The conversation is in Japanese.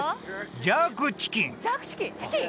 ジャークチキンチキン？